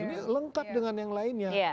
ini lengkap dengan yang lainnya